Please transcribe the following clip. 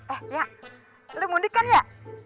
eh ya selalu mudik kan ya